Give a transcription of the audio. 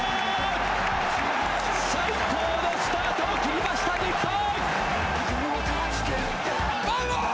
最高のスタートを切りました、日本！